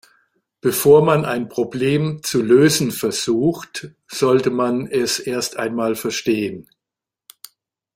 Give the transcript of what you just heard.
Bevor man ein Problem zu lösen versucht, sollte man es erst einmal verstehen.